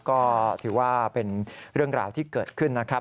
ก็ถือว่าเป็นเรื่องราวที่เกิดขึ้นนะครับ